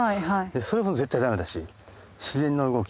それも絶対ダメだし自然な動き